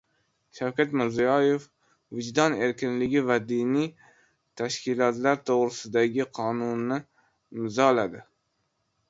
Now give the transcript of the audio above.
Shavkat Mirziyoev "Vijdon erkinligi va diniy tashkilotlar to‘g‘risida"gi Qonunni imzoladi